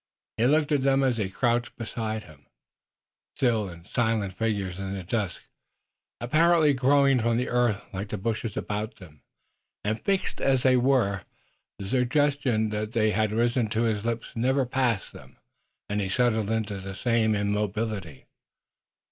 He looked at them as they crouched beside him, still and silent figures in the dusk, apparently growing from the earth like the bushes about them, and fixed as they were. The suggestion to go on that had risen to his lips never passed them and he settled into the same immobility.